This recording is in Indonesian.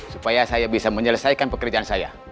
supaya saya bisa menyelesaikan pekerjaan saya